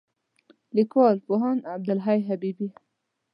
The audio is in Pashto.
لیکوال: پوهاند عبدالحی حبیبي